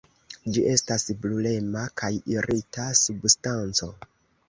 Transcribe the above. Ĝi estas brulema kaj irita substanco.